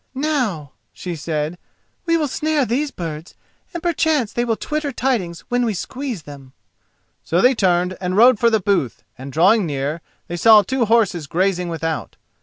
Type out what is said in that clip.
"Now," she said, "we will snare these birds, and perchance they will twitter tidings when we squeeze them." So they turned and rode for the booth, and drawing near, they saw two horses grazing without.